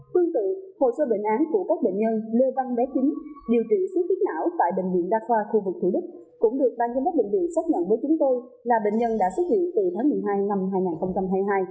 tương tự hồ sơ bệnh án của các bệnh nhân lê văn bé chính điều trị xuất huyết não tại bệnh viện đa khoa khu vực thủ đức cũng được ban giám đốc bệnh viện xác nhận với chúng tôi là bệnh nhân đã xuất hiện từ tháng một mươi hai năm hai nghìn hai mươi hai